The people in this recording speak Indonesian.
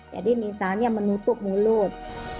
jadi misalnya menutup mulut